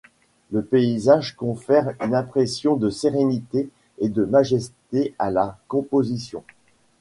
Le paysage confère une impression de sérénité et de majesté à la composition.